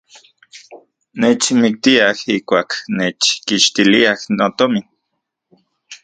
Nechmiktiaj ijkuak nechkixtiliaj notomin.